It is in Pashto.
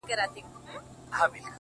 دا رومانتيك احساس دي خوږ دی گراني،